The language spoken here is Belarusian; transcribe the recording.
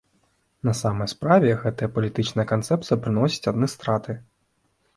На самай справе, гэтая палітычная канцэпцыя прыносіць адны страты.